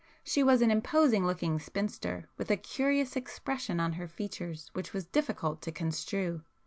She was an imposing looking spinster, with a curious expression on her features which was difficult to construe.